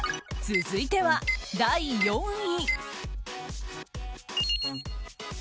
続いては第３位。